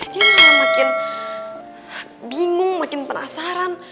dia makin bingung makin penasaran